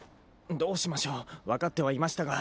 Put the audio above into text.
どうしましょう分かってはいましたが。